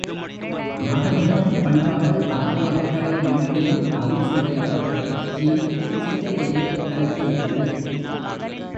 நாகரிகம் பண்பாடு ஆகியவைகளை மட்டிலும் அது சூறையாடவில்லை, சீனத்தின் சிந்தையையே கலக்கிவிட்டது.